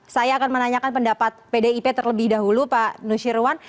saya akan menanyakan pendapat pdip terlebih dahulu pak nusirwan